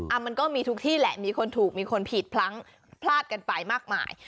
มันก็มีทุกที่แหละมีคนถูกมีคนผิดพลั้งพลาดกันไปมากมาย